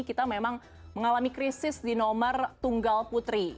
kita memang mengalami krisis di nomor tunggal putri